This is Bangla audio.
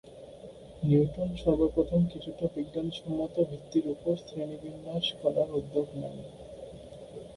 নিউটন সর্বপ্রথম কিছুটা বিজ্ঞানসম্মত ভিত্তির উপর শ্রেণীবিন্যাস করার উদ্যোগ নেন।